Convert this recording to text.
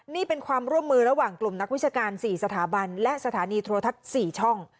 นี่เป็นความร่วมมือระหว่างกลุ่มนักวิชาการ๔สถาบันและสถานีโทรทัศน์๔ช่อง